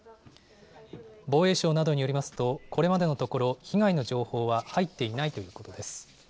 防衛省などによりますと、これまでのところ、被害の情報は入っていないということです。